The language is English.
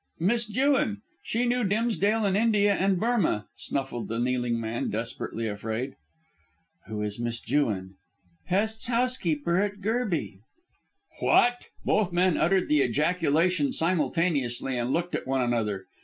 "Miss Jewin. She knew Dimsdale in India and Burmah," snuffled the kneeling man, desperately afraid. "Who is Miss Jewin?" "Hest's housekeeper at Gerby " "What!" Both men uttered the ejaculation simultaneously and looked at one another.